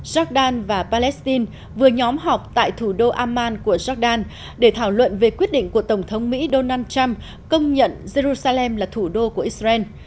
jordan và palestine vừa nhóm họp tại thủ đô amman của jordan để thảo luận về quyết định của tổng thống mỹ donald trump công nhận jerusalem là thủ đô của israel